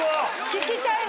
聞きたいの。